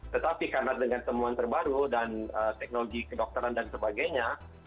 tetapi karena dengan temuan terbaru dan teknologi kedokteran dan sebagainya